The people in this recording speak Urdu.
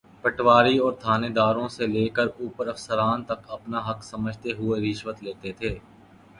پٹواری اورتھانیداروں سے لے کر اوپر افسران تک اپنا حق سمجھتے ہوئے رشوت لیتے تھے۔